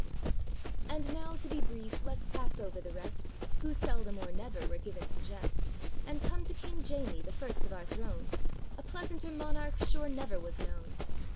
] AND now, to be brief, let's pass over the rest, Who seldom or never were given to jest, And come to King Jamie, the first of our throne, A pleasanter monarch sure never was known.